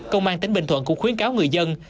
công an tỉnh bình thuận cũng khuyến cáo người dân